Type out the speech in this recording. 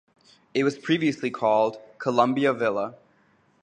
It was previously called Columbia Villa.